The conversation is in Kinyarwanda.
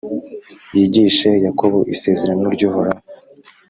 yigishe Yakobo Isezerano ry’Uhoraho,